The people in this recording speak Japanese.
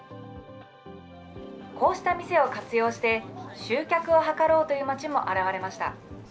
こうした店を活用して、集客を図ろうという町も現れました。